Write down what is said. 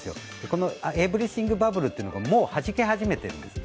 このエブリシングバブルっていうのがもうはじけ始めているんです。